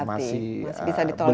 masih bisa ditolerir